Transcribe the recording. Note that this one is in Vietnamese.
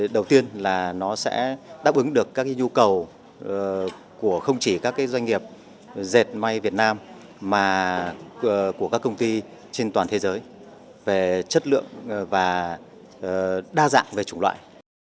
đầu tiên là nó sẽ đáp ứng được các nhu cầu của không chỉ các doanh nghiệp dệt may việt nam mà của các công ty trên toàn thế giới về chất lượng và đa dạng về chủng loại